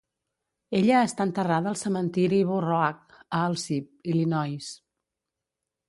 Ella està enterrada al Cementiri Burr Oak, a Alsip, Illinois.